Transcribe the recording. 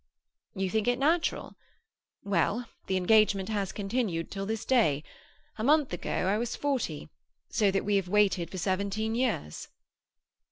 "You think it natural? Well, the engagement has continued till this day. A month ago I was forty, so that we have waited for seventeen years."